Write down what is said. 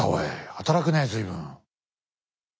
働くね随分。